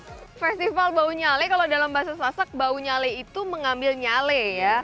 untuk festival baunya le kalau dalam bahasa sasek baunya le itu mengambil nyale